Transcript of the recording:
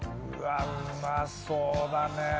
うまそうだね。